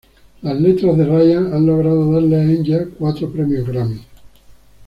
Las letras de Ryan han logrado darle a Enya cuatro Premios Grammy.